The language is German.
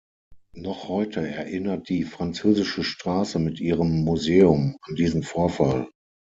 Noch heute erinnert die französische Straße mit ihrem Museum an diesen Vorfall.